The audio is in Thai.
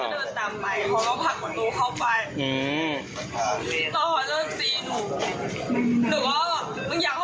ก็หนีผู้คนตามไปแล้วเขาภาคจะติดหนู